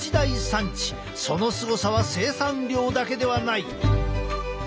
そのすごさは生産量だけではない！